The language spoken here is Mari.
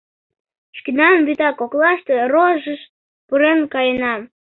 — Шкенан вӱта коклаште рожыш пурен каенам.